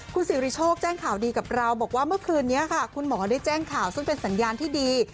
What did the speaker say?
คุณสิริโชคแจ้งข่าวดีกับเราบอกว่าเมื่อคืนนี้ค่ะคุณหมอได้แจ้งข่าวซึ่งเป็นสัญญาณที่ดี